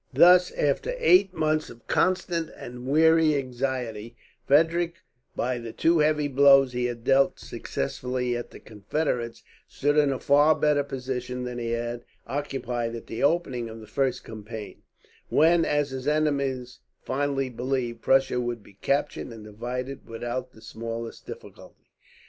Thus, after eight months of constant and weary anxiety, Frederick, by the two heavy blows he had dealt successfully at the Confederates, stood in a far better position than he had occupied at the opening of the first campaign; when, as his enemies fondly believed, Prussia would be captured and divided without the smallest difficulty.